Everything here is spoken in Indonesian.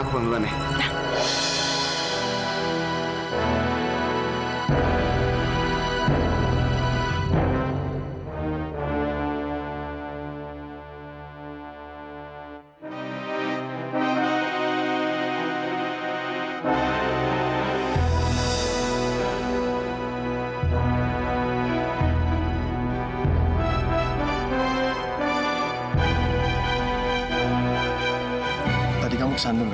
aku gak mau kamu jatuh lagi